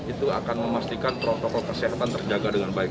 itu akan memastikan protokol kesehatan terjaga dengan baik